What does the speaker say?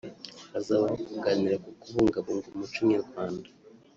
hazabaho kuganira ku kubungabunga umuco nyarwanda